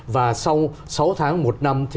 và sau sáu tháng một năm